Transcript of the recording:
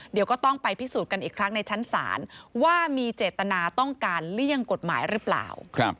เดี๋ยวก็ต้องไปพิสูจน์กันอีกครั้งในชั้นศาลว่ามีเจตนาต้องการเลี่ยงกฎหมายหรือเปล่า